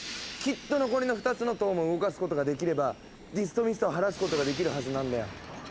きっと残りの２つの塔も動かすことができればディストミストを晴らすことができるはずなんだよ。